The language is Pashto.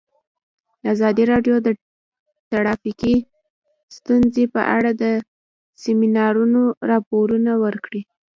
ازادي راډیو د ټرافیکي ستونزې په اړه د سیمینارونو راپورونه ورکړي.